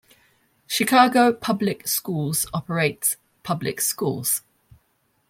Chicago Public Schools operates public schools.